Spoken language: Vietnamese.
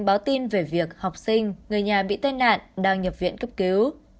báo tin về việc học sinh người nhà bị tai nạn đang nhập viện cấp cứu